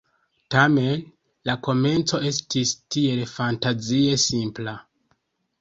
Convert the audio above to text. Tamen, la komenco estis tiel fantazie simpla...